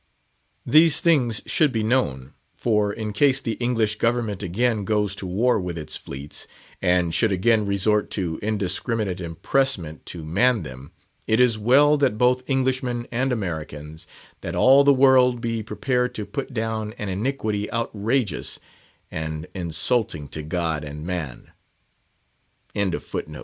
These things should be known; for in case the English government again goes to war with its fleets, and should again resort to indiscriminate impressment to man them, it is well that both Englishmen and Americans, that all the world be prepared to put down an iniquity outrageous and insulting to God and man.